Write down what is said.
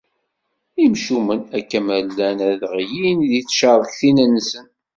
Imcumen, akken ma llan ad ɣlin di tcerktin-nsen.